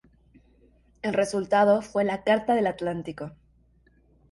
El resultado fue la Carta del Atlántico.